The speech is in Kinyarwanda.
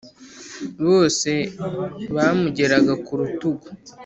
bose bamugeraga ku rutugu